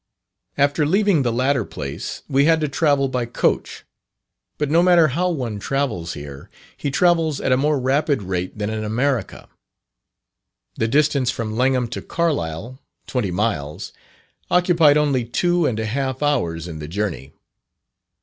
After leaving the latter place, we had to travel by coach. But no matter how one travels here, he travels at a more rapid rate than in America. The distance from Langholm to Carlisle, twenty miles, occupied only two and a half hours in the journey.